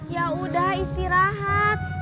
ya udah istirahat